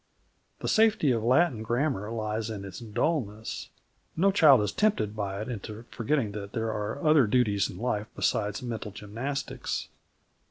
The safety of Latin grammar lies in its dullness. No child is tempted by it into forgetting that there are other duties in life besides mental gymnastics.